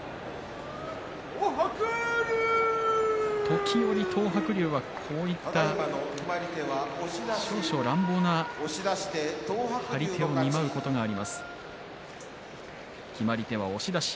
時折、東白龍は、こういった少々乱暴な張り手を見舞うことがあります。決まり手は押し出し。